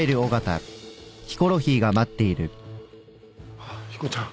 あっヒコちゃん。